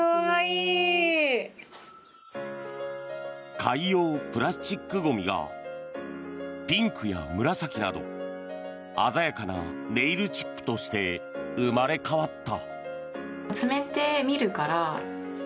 海洋プラスチックゴミがピンクや紫など鮮やかなネイルチップとして生まれ変わった。